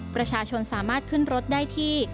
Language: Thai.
ประชาชนสามารถขึ้นรถได้ที่